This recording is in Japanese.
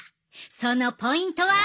そのポイントは！